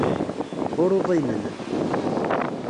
Ur uḍinen.